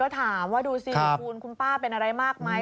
ถามว่าดูสิคุณคุณป้าเป็นอะไรมากไหม